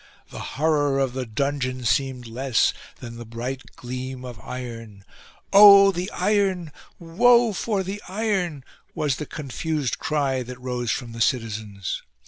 The horror of the dungeon seemed less than the bright gleam of iron. " Oh the iron ! Woe for the iron !" was the confused cry that rose from the citizens.